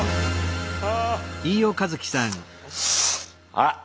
あっ